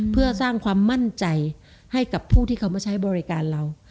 เพื่อสร้างความมั่นใจให้กับผู้ที่เขามาใช้บริการเรา